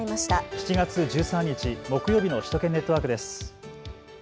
７月１３日木曜日の首都圏ネットワークです。